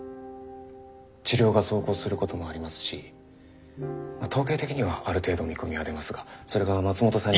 治療が奏功することもありますし統計的にはある程度見込みは出ますがそれが松本さんに。